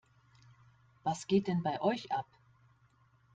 Was geht denn bei euch ab?